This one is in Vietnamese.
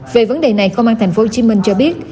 về vấn đề này công an tp hcm cho biết